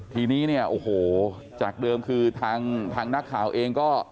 ทีนี้เนี่ยโอ้โหจากเดิมคือทางนักข่าวเองก็